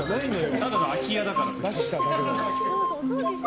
ただの空き家だから。